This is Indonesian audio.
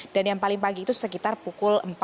dan yang paling pagi itu sekitar pukul empat